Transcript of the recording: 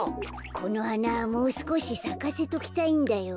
このはなもうすこしさかせときたいんだよ。